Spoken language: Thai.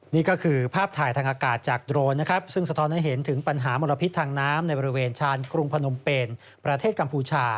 นี่ก็คือภาพถ่ายทางอากาศจากโดรนนะครับซึ่งสะท้อนให้เห็นถึงปัญหามลพิษทางน้ำในบริเวณชานกรุงพนมเปนประเทศกัมพูชา